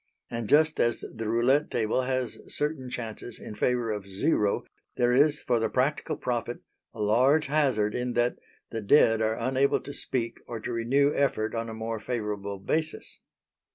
And just as the roulette table has certain chances in favour of Zero, there is for the practical prophet a large hazard in that the dead are unable to speak or to renew effort on a more favourable basis.